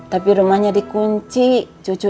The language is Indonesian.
tapi rumahnya dikunjungi